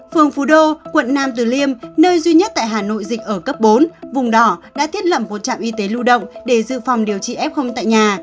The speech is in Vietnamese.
phường phú đô quận nam từ liêm nơi duy nhất tại hà nội dịch ở cấp bốn vùng đỏ đã thiết lập một trạm y tế lưu động để dự phòng điều trị f tại nhà